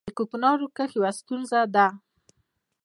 د کوکنارو کښت یوه ستونزه ده